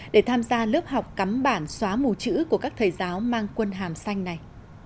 để tham gia lớp học cắm bản xóa mù chữ của các thầy giáo mang quân hàm xanh này